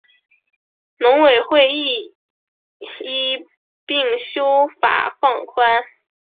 农委会亦一并修法放宽